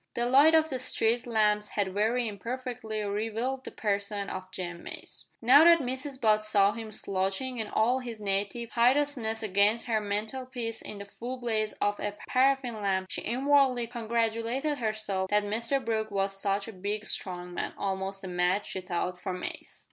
The light of the street lamps had very imperfectly revealed the person of Jem Mace. Now that Mrs Butt saw him slouching in all his native hideousness against her mantelpiece in the full blaze of a paraffin lamp, she inwardly congratulated herself that Mr Brooke was such a big strong man almost a match, she thought, for Mace!